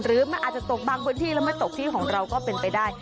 หรือมันอาจจะตกบางพื้นที่แล้วไม่ตกที่ของเราก็เป็นไปได้